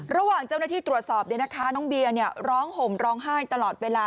ระหว่างเจ้าหน้าที่ตรวจสอบน้องเบียร์ร้องห่มร้องไห้ตลอดเวลา